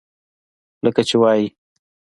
لکه چې وائي: